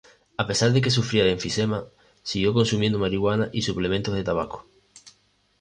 A pesar de que sufría de enfisema, siguió consumiendo marihuana y suplementos de tabaco.